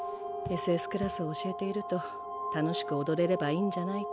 ＳＳクラスを教えていると「楽しく踊れればいいんじゃない？」